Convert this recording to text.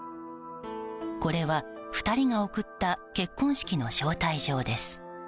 これは２人が送った結婚式の招待状です。